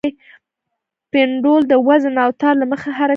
پینډول د وزن او تار له مخې حرکت کوي.